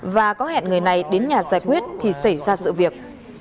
và có hẹn người này đến nhà giải quyết thì xảy ra sự việc